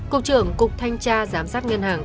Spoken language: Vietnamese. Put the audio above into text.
cục trưởng cục thanh tra giám sát ngân hàng